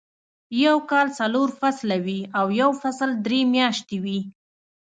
يو کال څلور فصله وي او يو فصل درې میاشتې وي.